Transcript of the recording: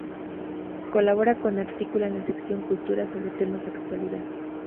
Colabora con artículo en la sección Cultura, sobre temas de actualidad.